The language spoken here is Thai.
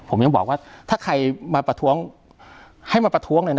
ผมยังบอกว่าถ้าใครมาประท้วงให้มาประท้วงเลยนะ